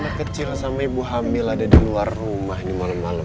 anak kecil sama ibu hamil ada di luar rumah nih malem malem